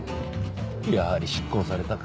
やはり執行されたか。